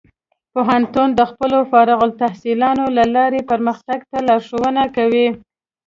پوهنتون د خپلو فارغ التحصیلانو له لارې پرمختګ ته لارښوونه کوي.